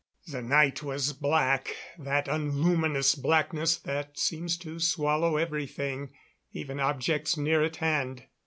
The night was black that unluminous blackness that seems to swallow everything, even objects near at hand.